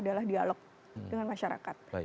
adalah dialog dengan masyarakat